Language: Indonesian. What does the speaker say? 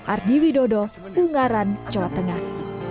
ardi widodo ungaran jawa tengah